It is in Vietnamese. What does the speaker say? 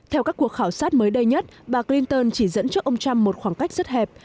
theo các cuộc khảo sát mới đây nhất bà clinton chỉ dẫn cho ông trump một khoảng cách rất hẹp